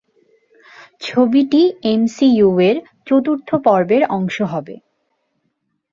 ছবিটি এমসিইউ-এর চতুর্থ পর্বের অংশ হবে।